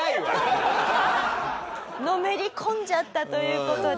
のめり込んじゃったという事で。